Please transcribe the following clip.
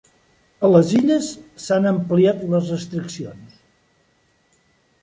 A les Illes s’han ampliat les restriccions.